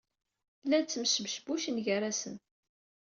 Llan ttmesbucbucen gar-asen.